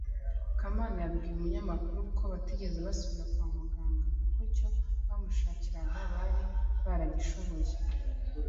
Kamana yabwiye umunyamakuru ko batigeze basubira kwa muganga kuko icyo bamushakiraga bari baragishoboye